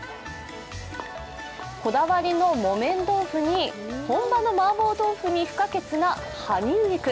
こだわりの木綿豆腐に本場のマーボー豆腐に不可欠な葉にんにく。